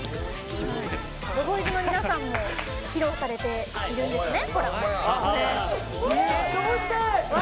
ＴＨＥＢＯＹＺの皆さんも披露されているんですね。